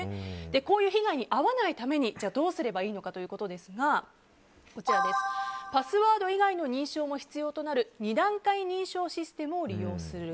こういう被害に遭わないためにどうすればいいのかですがパスワード以外の認証も必要となる二段階認証システムを利用する。